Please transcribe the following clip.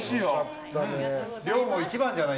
量も一番じゃない？